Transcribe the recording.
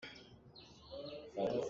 Na tuahmi kha ka mit he aa rem ngai.